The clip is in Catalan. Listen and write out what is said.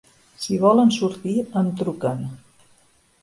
Si volen sortir em truquen.